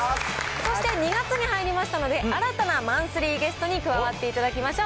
そして、２月に入りましたので、新たなマンスリーゲストに加わっていただきましょう。